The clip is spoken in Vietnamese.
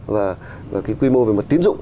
và cái quy mô về mặt tiến dụng